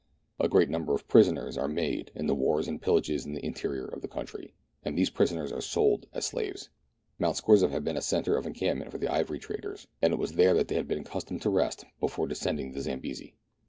A great number of prisoners are made in the wars and pillages in the interior of the country, and these prisoners are sold as slaves. Mount Scorzef had been a centre of encampment for the ivory traders, and it was there that they had been accustomed to rest before descend l8^ MERTDIANA; THE ADVENTURES OF ing the Zambesi.